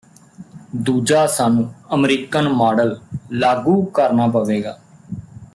ਦੂਜਾ ਸਾਨੂੰ American model ਲਾਗੂ ਕਰਨਾ ਪਵੇਗਾ